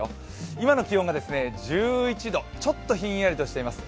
今の気温が１１度、ちょっとひんやりとしています。